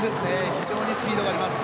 非常にスピードがあります。